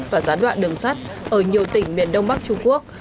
và gián đoạn đường sắt ở nhiều tỉnh miền đông bắc trung quốc